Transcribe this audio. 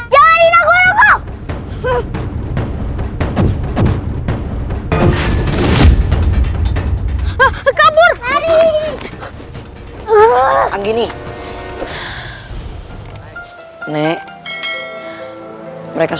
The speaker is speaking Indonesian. jangan lina guru guru